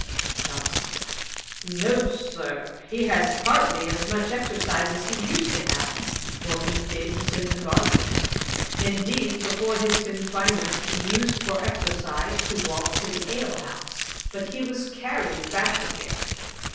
JOHNSON. 'No, Sir; he has partly as much exercise as he used to have, for he digs in the garden. Indeed, before his confinement, he used for exercise to walk to the ale house; but he was carried back again.